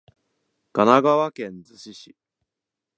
神奈川県逗子市